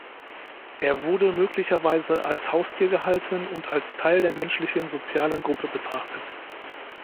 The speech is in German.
Er wurde möglicherweise als Haustier gehalten und als Teil der menschlichen sozialen Gruppe betrachtet.